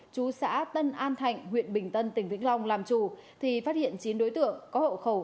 chú xã tân an thạnh huyện bình tân tỉnh vĩnh long làm chủ thì phát hiện chín đối tượng có hậu khẩu